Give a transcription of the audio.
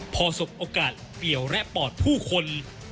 พอสบโอกาสเปี่ยวและปอดผู้คน